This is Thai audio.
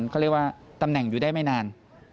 เขาเรียกว่าตำแหน่งอยู่ได้ไม่นาน